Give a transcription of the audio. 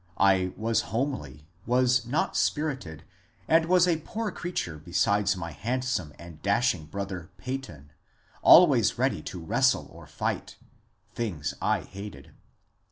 I was homely, was not spirited, and was a poor creafcure beside my handsome and dashing brother Peyton, always ready to wrestle or fight, — things I hated.